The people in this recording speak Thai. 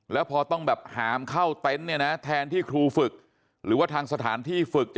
แล้วพอต้องแบบหามเข้าเต็นต์เนี่ยนะแทนที่ครูฝึก